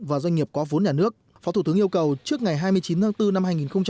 và doanh nghiệp có vốn nhà nước phó thủ tướng yêu cầu trước ngày hai mươi chín tháng bốn năm hai nghìn hai mươi